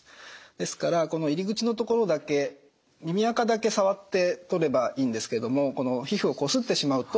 ですからこの入り口のところだけ耳あかだけ触って取ればいいんですけれどもこの皮膚をこすってしまうと炎症を起こす。